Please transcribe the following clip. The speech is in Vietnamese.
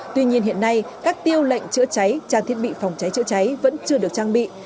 tuy nhiên hiện nay các tiêu lệnh chữa cháy trang thiết bị phòng cháy chữa cháy vẫn chưa được trang bị